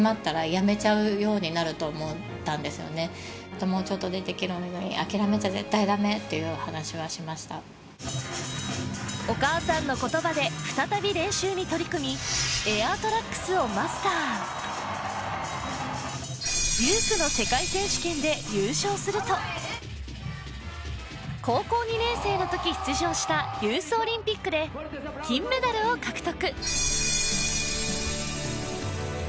そのときお母さんはお母さんの言葉で再び練習に取り組みをマスターユースの世界選手権で優勝すると高校２年生のとき出場したユースオリンピックで金メダルを獲得